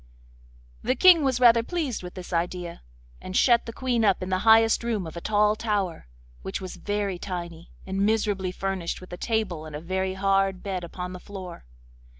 The King was rather pleased with this idea, and shut the Queen up in the highest room of a tall tower, which was very tiny, and miserably furnished with a table and a very hard bed upon the floor.